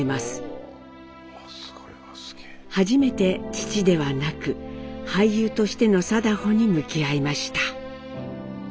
初めて父ではなく俳優としての禎穗に向き合いました。